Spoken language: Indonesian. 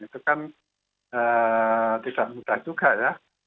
itu kan tidak mudah juga ya